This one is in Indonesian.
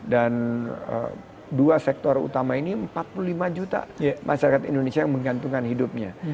dan dua sektor utama ini empat puluh lima juta masyarakat indonesia yang menggantungkan hidupnya